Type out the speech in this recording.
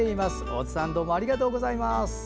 大津さん、ありがとうございます。